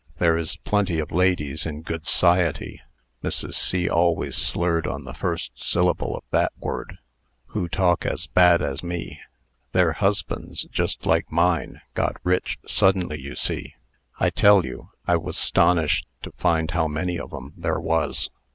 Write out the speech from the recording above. there is plenty of ladies in good s'ciety" (Mrs. C. always slurred on the first syllable of that word) "who talk as bad as me. Their husbands, just like mine, got rich suddenly, you see. I tell you, I was 'stonished to find how many of 'em there was.